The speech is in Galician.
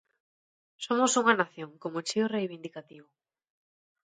Somos unha nación, como chío reivindicativo.